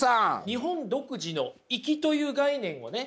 日本独自の「いき」という概念をね